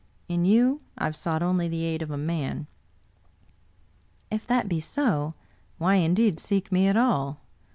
In you I have sought only the aid of a man." " If that be so, why, indeed, seek me at all?